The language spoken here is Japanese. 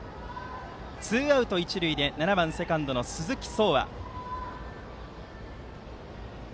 ツーアウト、一塁で７番、セカンドの鈴木爽愛。